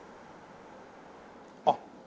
あっ！